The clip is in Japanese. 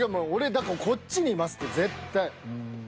だからこっちにいますって絶対。